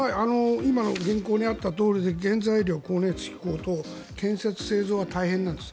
今の原稿にあったとおりで原材料、光熱費高騰建設・製造は大変なんです。